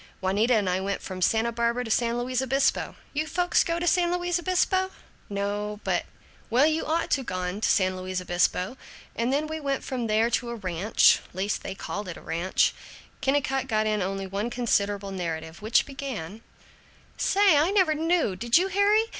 Juanita and I went from Santa Barbara to San Luis Obispo. You folks go to San Luis Obispo?" "No, but " "Well you ought to gone to San Luis Obispo. And then we went from there to a ranch, least they called it a ranch " Kennicott got in only one considerable narrative, which began: "Say, I never knew did you, Harry?